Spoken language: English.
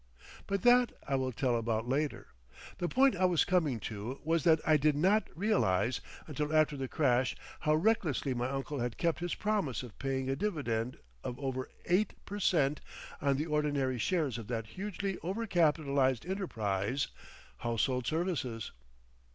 But that I will tell about later. The point I was coming to was that I did not realise until after the crash how recklessly my uncle had kept his promise of paying a dividend of over eight per cent. on the ordinary shares of that hugely over capitalised enterprise, Household Services.